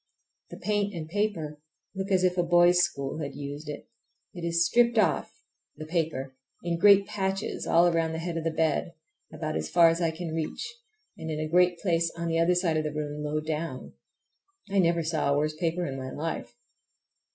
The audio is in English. The paint and paper look as if a boys' school had used it. It is stripped off—the paper—in great patches all around the head of my bed, about as far as I can reach, and in a great place on the other side of the room low down. I never saw a worse paper in my life.